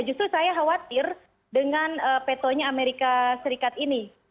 justru saya khawatir dengan petonya amerika serikat ini